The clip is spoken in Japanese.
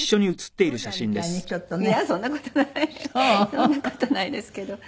そんな事ないですけど。